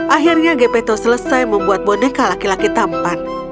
akhirnya gepetto selesai membuat boneka laki laki tampan